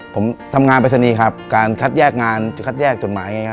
ผมทำงานไปเสนีครับการคัดแยกงานคัดแยกจดหมาย